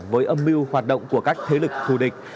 với âm mưu hoạt động của các thế lực thù địch